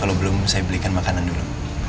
kalau belum saya belikan makanan dulu